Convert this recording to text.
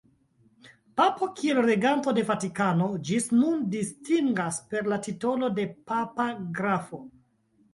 Papo, kiel reganto de Vatikano, ĝis nun distingas per la titolo de papa grafo.